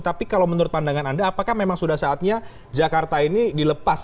tapi kalau menurut pandangan anda apakah memang sudah saatnya jakarta ini dilepas